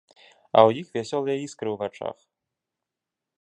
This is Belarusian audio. А ў іх вясёлыя іскры ў вачах.